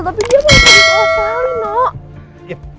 tapi dia masih di australia